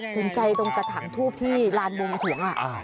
ตรงใจตรงกระถางทูบที่ลานบวงสวง